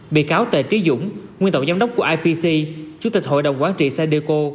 bị cáo tề trí dũng nguyên tổng giám đốc của ipc chủ tịch hội đồng quán trị san diego